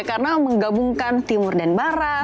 karena menggabungkan timur dan barat